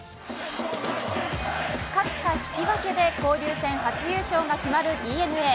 勝つか引き分けで交流戦初優勝が決まるＤｅＮＡ。